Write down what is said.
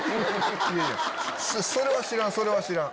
それは知らんそれは知らん。